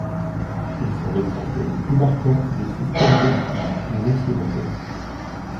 Ils sont l'exemple le plus marquant des systèmes politiques non-sédentaires.